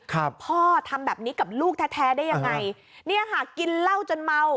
พ่อทำแบบนี้กับลูกแท้แท้ได้ยังไงเนี่ยค่ะกินเหล้าจนเมา